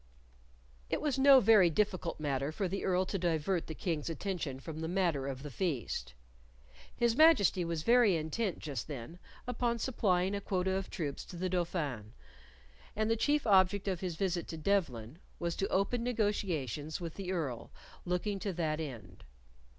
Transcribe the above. It was no very difficult matter for the Earl to divert the King's attention from the matter of the feast. His Majesty was very intent just then upon supplying a quota of troops to the Dauphin, and the chief object of his visit to Devlen was to open negotiations with the Earl looking to that end.